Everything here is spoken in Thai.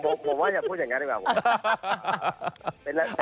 ผมว่าอย่าพูดอย่างนั้นดีกว่าผม